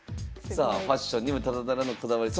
さあファッションにもただならぬこだわり。